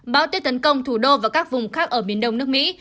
bão tuyết tấn công thủ đô và các vùng khác ở miền đông nước mỹ